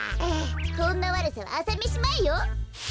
こんなわるさはあさめしまえよ。